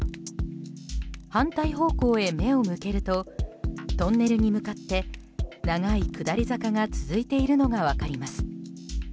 反対方向へ目を向けるとトンネルに向かって長い下り坂が続いているのが分かります。